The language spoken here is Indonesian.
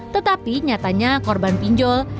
tetapi nyatanya korban pinjol